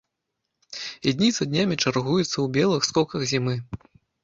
І дні за днямі чаргуюцца ў белых скоках зімы.